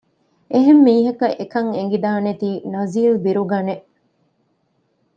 އެހެންމީހަކަށް އެކަން އެނގިދާނެތީ ނަޒީލް ބިރުގަނެ